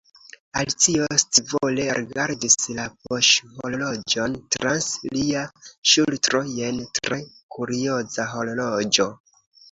Alicio scivole rigardis la poŝhorloĝon trans lia ŝultro. "Jen tre kurioza horloĝo".